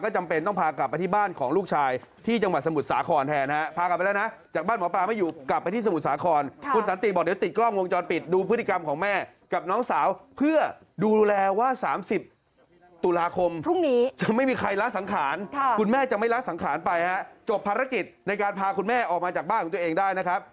จบภารกิจในการพาคุณแม่ออกมาจากบ้านของตัวเองได้นะครับ